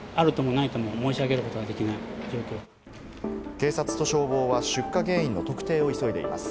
警察と消防は出火原因の特定を急いでいます。